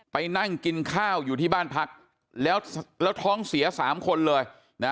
ไปนั่งกินข้าวอยู่ที่บ้านพักแล้วท้องเสีย๓คนเลยนะ